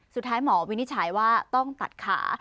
สุดท้ายหมอวินิจฉัยว่าต้องตัดขา